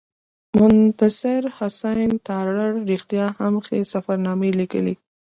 مستنصر حسین تارړ رښتیا هم ښې سفرنامې لیکلي.